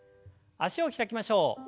脚を開きましょう。